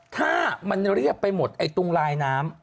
ถ้ามันเรียบไปหมดไอ้ตรงลายน้ำ